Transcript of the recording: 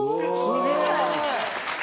すげえ！